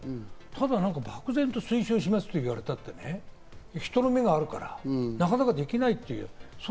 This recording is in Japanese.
ただ漠然と推奨しますよと言われても、人の目があるから、なかなかできない。